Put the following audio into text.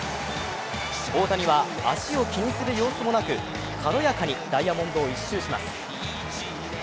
大谷は足を気にする様子もなく軽やかにダイヤモンドを１周します